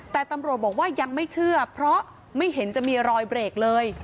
แต่ตำรวจบอกว่ายังไม่เชื่อเพราะไม่เห็นจะมีรอยเบรกเลย